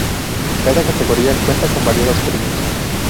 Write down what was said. Cada categoría cuenta con variados premios.